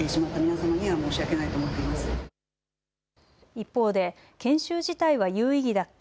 一方で研修自体は有意義だった。